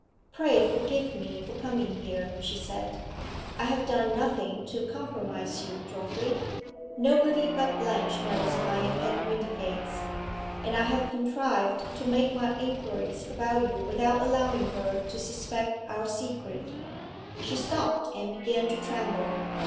"Pray forgive me for coming here," she said. "I have done nothing to compromise you, Geoffrey. Nobody but Blanche knows I am at Windygates. And I have contrived to make my inquiries about you without allowing her to suspect our secret." She stopped, and began to tremble.